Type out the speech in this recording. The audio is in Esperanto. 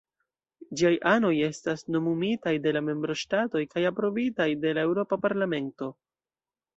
Ĝiaj anoj estas nomumitaj de la membroŝtatoj kaj aprobitaj de la Eŭropa Parlamento.